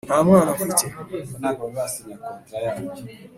nta mwana mfite